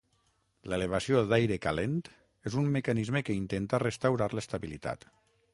L'elevació d'aire calent és un mecanisme que intenta restaurar l'estabilitat.